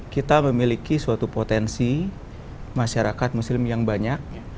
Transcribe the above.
kita memiliki suatu potensi masyarakat muslim yang banyak